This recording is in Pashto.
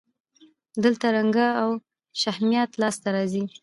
دلته رنګونه او شهمیات لاسته راځي.